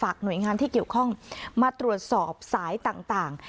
หน่วยงานที่เกี่ยวข้องมาตรวจสอบสายต่าง